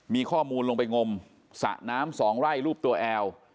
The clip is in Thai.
มีข้อมูลลงไปงมสระน้ำ๒ไร่รูปตัวแอล